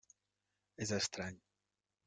És estrany.